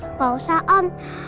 nggak usah om